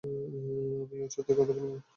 আমি ওর সাথে কথা বলবো।